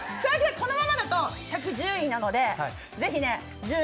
このままだと１１０位なので。